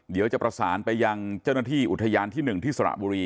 เดี๋ยวจะประสานไปยังเจ้าหน้าที่อุทยานที่๑ที่สระบุรี